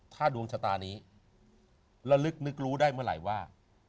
ถ้าดวงชะตานี้ระลึกนึกรู้ได้เมื่อไหร่ว่า